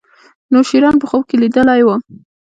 نوشیروان په خوب کې لیدلی و.